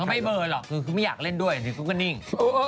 ไม่เบอร์หรอกคือไม่อยากเล่นด้วยอย่างนี้ก็ก็นิ่ง